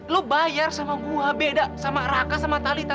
lo bayar sama gue beda sama raka sama talitha